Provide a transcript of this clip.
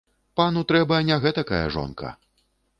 Пану трэба не гэтакая жонка.